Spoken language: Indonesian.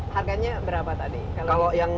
harganya berapa tadi kalau yang